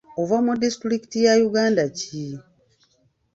Ova mu disitulikiti ya Uganda ki?